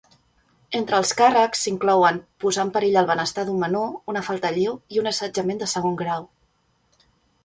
Entre els càrrecs s'inclouen, posar en perill el benestar d'un menor, una falta lleu i un assetjament de segon grau.